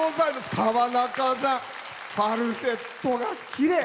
川中さん、ファルセットがきれい！